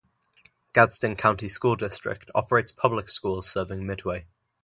Gadsden County School District operates public schools serving Midway.